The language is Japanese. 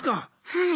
はい。